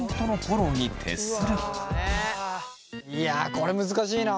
いやこれ難しいな。